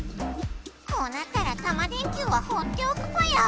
こうなったらタマ電Ｑはほうっておくぽよ。